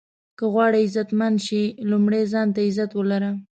که غواړئ عزتمند شې لومړی ځان ته عزت ولره.